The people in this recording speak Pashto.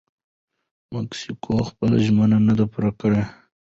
مکسیکو خپلې ژمنې نه دي پوره کړي.